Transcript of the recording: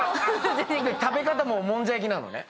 食べ方ももんじゃ焼きなのね。